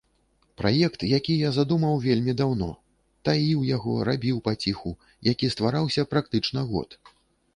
Праект, які я задумаў вельмі даўно, таіў яго, рабіў паціху, які ствараўся практычна год.